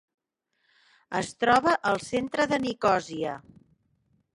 Es troba al centre de Nicòsia.